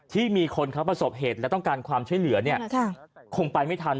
ที่มีคนเขาประสบเหตุและต้องการความช่วยเหลือเนี่ยคงไปไม่ทัน